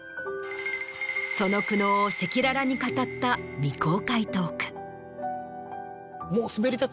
その苦悩を赤裸々に語った未公開トーク。